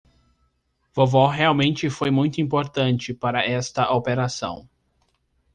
Vovó realmente foi muito importante para esta operação.